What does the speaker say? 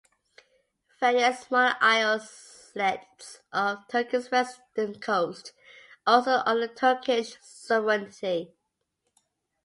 Various smaller islets off Turkey's western coast are also under Turkish sovereignty.